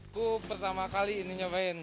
aku pertama kali ini nyobain